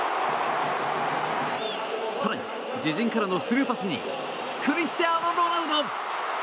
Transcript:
更に、自陣からのスルーパスにクリスティアーノ・ロナウド！